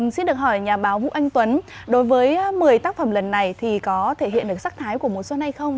xin được hỏi nhà báo vũ anh tuấn đối với một mươi tác phẩm lần này thì có thể hiện được sắc thái của mùa xuân hay không